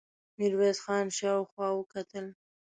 ميرويس خان شاوخوا وکتل.